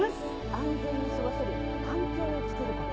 安全に過ごせる環境をつくること。